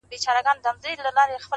• په لامبو کي یې ځان نه وو آزمېیلی -